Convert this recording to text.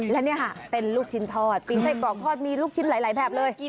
และนี่ค่ะเป็นลูกชิ้นทอดปิงไส้กรอกทอดมีลูกชิ้นหลายแบบเลย